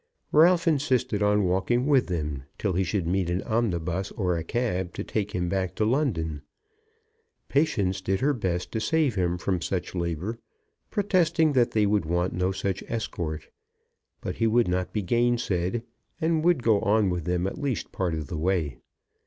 Ralph insisted on walking with them till he should meet an omnibus or a cab to take him back to London. Patience did her best to save him from such labour, protesting that they would want no such escort. But he would not be gainsayed, and would go with them at least a part of the way.